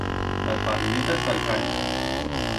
Las farinetas ta'l can.